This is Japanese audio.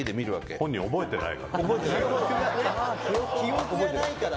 伊達：覚えてないから。